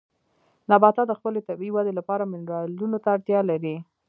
نباتات د خپلې طبیعي ودې لپاره منرالونو ته اړتیا لري.